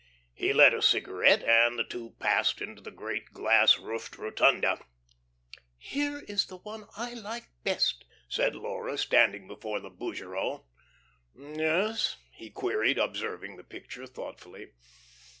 He lit a cigarette, and the two passed into the great glass roofed rotunda. "Here is the one I like best," said Laura, standing before the Bougereau. "Yes?" he queried, observing the picture thoughtfully.